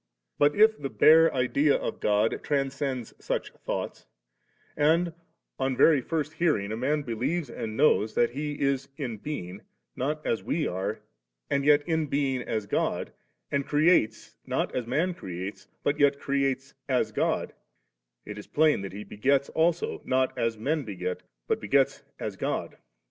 But if the bare idea of God tran scends such thoughts, and, on very first hear ing, a man believes and knows that He is in being, not as we are, and yet in being as God, and creates not as man creates, but yet creato as God, it is plain that He begets also not is men beget, but begets as God.